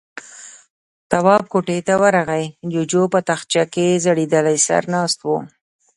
تواب کوټې ته ورغی، جُوجُو په تاخچه کې ځړېدلی سر ناست و.